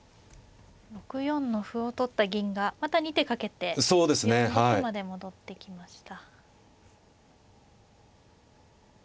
６四の歩を取った銀がまた２手かけて４六まで戻ってきました。